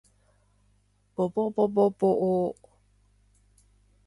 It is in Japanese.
ぼぼぼぼぼお